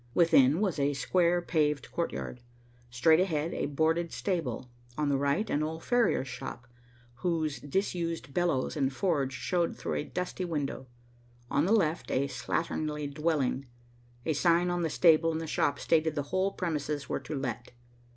Within, was a square paved courtyard; straight ahead, a boarded stable; on the right, an old farrier's shop, whose disused bellows and forge showed through a dusty window; on the left, a slatternly dwelling. A sign on the stable and the shop stated the whole premises were to let.